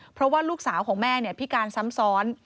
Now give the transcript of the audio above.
เพราะว่าลูกสาวของแม่พิการซ้ำซ้อน